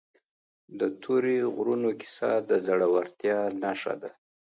د تورې غرونو کیسه د زړه ورتیا نښه ده.